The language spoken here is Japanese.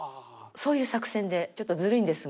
そういう作戦でちょっとずるいんですが。